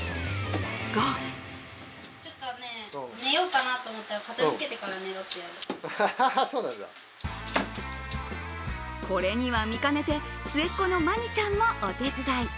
がこれには見かねて末っ子の稀丹ちゃんもお手伝い。